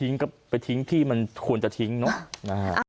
เออนะครับไปทิ้งที่มันควรจะทิ้งเนาะ